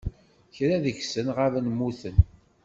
Kra deg-sen ɣaben mmuten